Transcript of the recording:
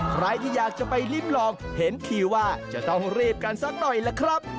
ใครที่อยากจะไปลิ้มลองเห็นคิวว่าจะต้องรีบกันสักหน่อยล่ะครับ